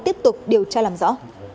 tiếp tục điều tra làm rõ